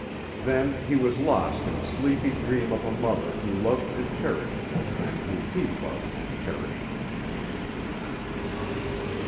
Then he was lost in a happy dream of a mother who loved and cherished him and whom he loved and cherished.